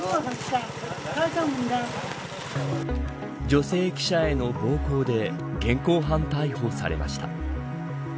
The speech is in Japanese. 女性記者への暴行で現行犯逮捕されました。